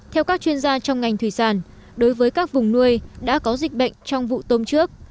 theo các chuyên gia trong ngành thủy sản đối với các vùng nuôi đã có dịch bệnh trong vụ tôm trước